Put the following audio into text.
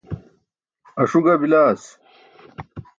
Aṣu ga bilaas.